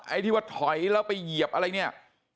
ไอ้ที่ว่าถอยแล้วไปเหยียบอะไรเนี่ย